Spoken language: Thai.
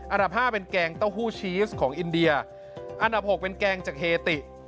อันดับ๕เป็นแกงเต้าหู้ชีสของอินเดียอันดับ๖เป็นแกงจากเฮติ